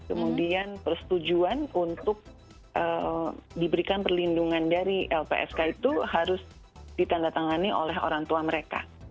kemudian persetujuan untuk diberikan perlindungan dari lpsk itu harus ditandatangani oleh orang tua mereka